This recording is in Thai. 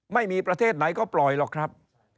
ไม่มีประเทศไหนก็ปล่อยหรอกครับ